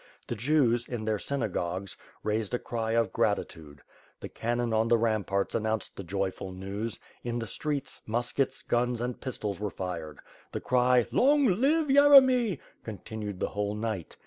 The Jews, in their synagogues, raised a cry of gratitude. The cannon on the ramparts announced the joyful news; in the streets, muskets, guns and pistols were fired. The cry, "Long live Yeremy!" continued the whole night.